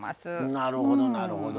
なるほどなるほど。